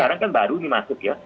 sekarang kan baru ini masuk ya